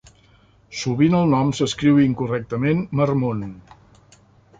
Sovint el nom s'escriu incorrectament "Marmon".